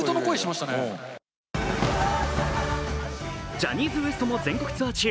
ジャニーズＷＥＳＴも全国ツアー中。